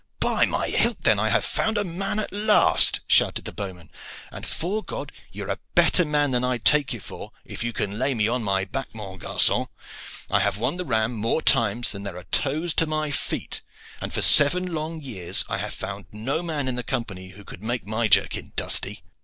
"By my hilt! then, I have found a man at last!" shouted the bowman. "And, 'fore God, you are a better man than I take you for if you can lay me on my back, mon garcon. I have won the ram more times than there are toes to my feet, and for seven long years I have found no man in the Company who could make my jerkin dusty."